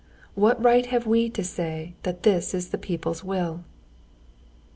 What right have we to say that this is the people's will?"